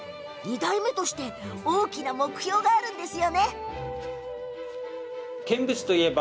２代目として大きな目標があります。